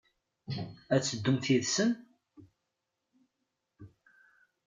Ad teddumt yid-sent?